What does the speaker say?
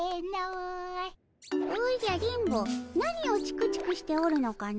おじゃ電ボ何をチクチクしておるのかの？